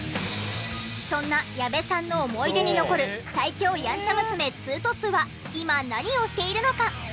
そんな矢部さんの思い出に残る最強ヤンチャ娘２トップは今何をしているのか？